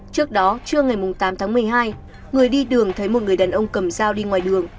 trước đó trưa ngày tám tháng một mươi hai người đi đường thấy một người đàn ông cầm dao đi ngoài đường